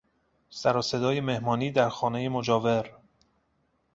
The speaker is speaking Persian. سر و صدای مهمانی در خانهی مجاور